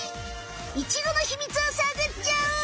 イチゴの秘密をさぐっちゃおう！